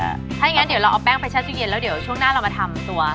ถ้าอย่างนั้นเดี๋ยวเราเอาแป้งไปแช่ตู้เย็นแล้วเดี๋ยวช่วงหน้าเรามาทำตัว